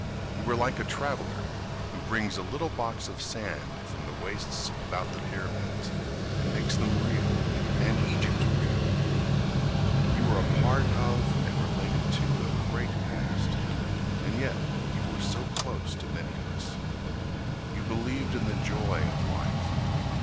You were like a traveler who brings a little box of sand From the wastes about the pyramids And makes them real and Egypt real. You were a part of and related to a great past, And yet you were so close to many of us. You believed in the joy of life.